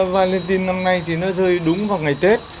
valentine năm nay thì nó rơi đúng vào ngày tết